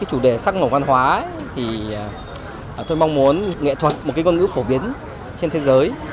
chủ đề sắc màu văn hóa tôi mong muốn nghệ thuật một con ngữ phổ biến trên thế giới